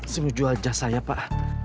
semuju aja saya pak